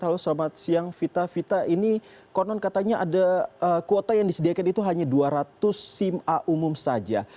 halo selamat siang vita vita ini konon katanya ada kuota yang disediakan itu hanya dua ratus sim a umum saja